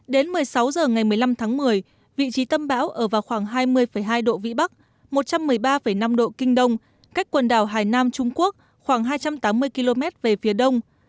đến một mươi sáu h ngày một mươi năm tháng một mươi vị trí tâm bão ở vào khoảng hai mươi hai độ vĩ bắc một trăm một mươi ba năm độ kinh đông cách quần đảo hải nam trung quốc khoảng hai trăm tám mươi km về phía đông